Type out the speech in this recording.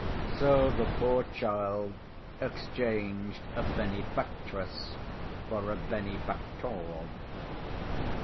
So the poor child exchanged a benefactress for a benefactor.